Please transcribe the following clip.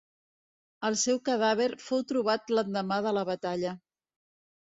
El seu cadàver fou trobat l'endemà de la batalla.